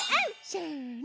せの。